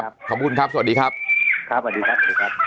ขอบคุณครับสวัสดีครับครับสวัสดีครับสวัสดีครับ